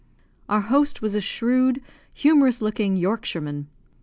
Our host was a shrewd, humorous looking Yorkshireman.